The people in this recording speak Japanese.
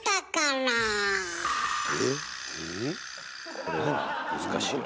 これは難しいよ。